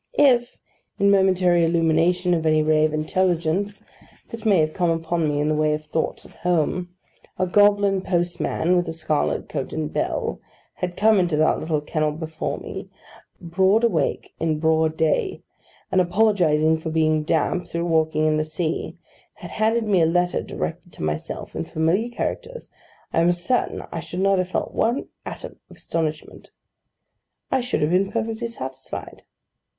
If, in the momentary illumination of any ray of intelligence that may have come upon me in the way of thoughts of Home, a goblin postman, with a scarlet coat and bell, had come into that little kennel before me, broad awake in broad day, and, apologising for being damp through walking in the sea, had handed me a letter directed to myself, in familiar characters, I am certain I should not have felt one atom of astonishment: I should have been perfectly satisfied.